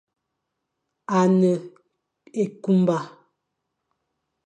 A ne nkunba.